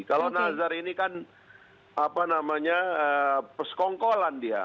kalau nazar ini kan apa namanya persekongkolan dia